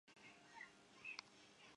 第一次反法同盟失败。